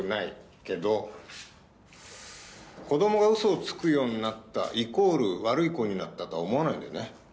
けど子供が嘘をつくようになったイコール悪い子になったとは思わないんだよね。